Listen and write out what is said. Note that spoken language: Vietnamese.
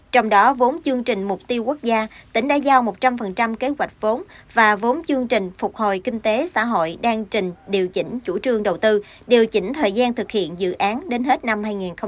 trong đó vốn chương trình mục tiêu quốc gia tỉnh đã giao một trăm linh kế hoạch vốn và vốn chương trình phục hồi kinh tế xã hội đang trình điều chỉnh chủ trương đầu tư điều chỉnh thời gian thực hiện dự án đến hết năm hai nghìn hai mươi